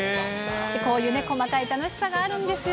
こういうね、細かい楽しさがあるんですよ。